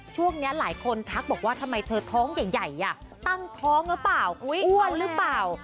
ช่วงนี้หลายคนทักบอกว่าทำไมเธอท้องใหญ่ตั้งท้องหรือเปล่าอ้วนหรือเปล่า